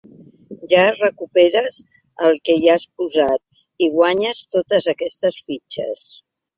Ja recuperes el que hi has posat i guanyes totes aquestes fitxes.